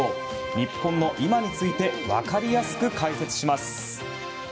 日本の今について分かりやすく解説します。